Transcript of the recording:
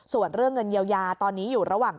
ส่วนเรื่องเงินเยียวยาตอนนี้อยู่ระหว่าง